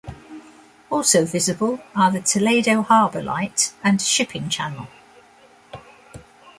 Also visible, are the Toledo Harbor Light and shipping channel.